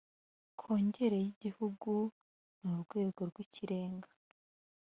kongere y igihugu ni urwego rw ikirenga